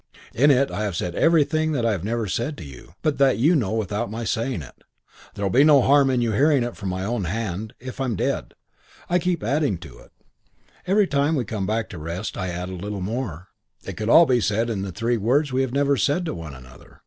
In it I have said everything that I have never said to you but that you know without my saying it. There'll be no harm in your hearing it from my own hand if I'm dead. I keep on adding to it. Every time we come back into rest, I add a little more. It all could be said in the three words we have never said to one another.